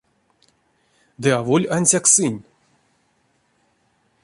Ды аволь ансяк сынь.